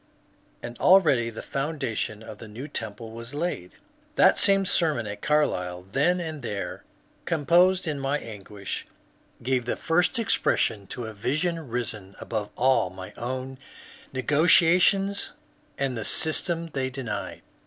And already the foundation of the new temple was laid. That same sermon at Carlisle, then and there composed in my anguish, gave the first expression to a vision risen above all my own negations and the systems they denied.